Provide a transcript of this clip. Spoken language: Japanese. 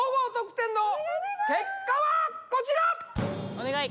・お願い！